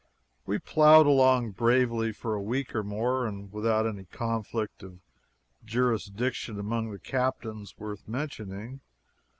We plowed along bravely for a week or more, and without any conflict of jurisdiction among the captains worth mentioning.